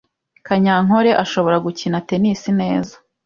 Kanyankore ashobora gukina tennis neza.